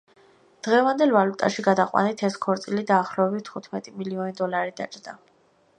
დღევანდელ ვალუტაში გადაყვანით, ეს ქორწილი დაახლოებით თხუთმეტი მილიონი დოლარი დაჯდა.